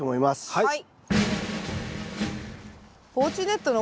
はい。